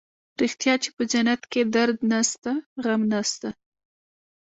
رښتيا چې په جنت کښې درد نسته غم نسته.